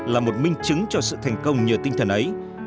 là một minh chứng cho sự thành công nhờ tinh thần ấy